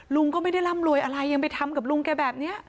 ลุงก็ไม่ได้ร่ำรวยอะไรยังไปทำกับลุงแกแบบนี้